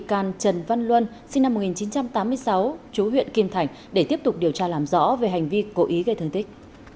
can trần văn luân sinh năm một nghìn chín trăm tám mươi sáu chú huyện kim thành để tiếp tục điều tra làm rõ về hành vi cố ý gây thương tích